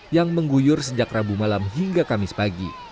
yang mengguyur sejak rabu malam hingga kamis pagi